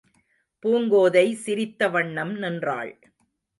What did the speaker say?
பூங்கோதை சிரித்த வண்ணம் நின்றாள்.